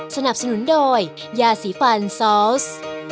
สนับสนุนโดยยาสีฟันซอส